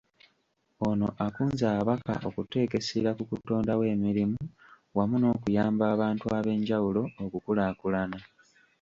Ono akunze ababaka okuteeka essira ku kutondawo emirimu wamu n’okuyamba abantu ab’enjawulo okukulaakulana.